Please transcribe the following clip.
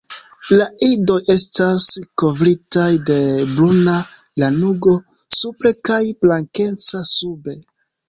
La idoj estas kovritaj de bruna lanugo supre kaj blankeca sube.